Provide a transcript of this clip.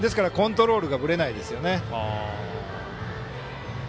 ですからコントロールがぶれないですよね。